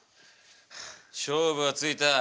勝負はついた。